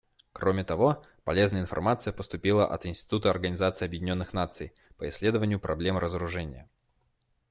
Кроме того, полезная информация поступила от Института Организации Объединенных Наций по исследованию проблем разоружения.